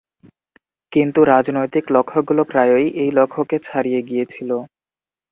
কিন্তু, রাজনৈতিক লক্ষ্যগুলো প্রায়ই এই লক্ষ্যকে ছাড়িয়ে গিয়েছিল।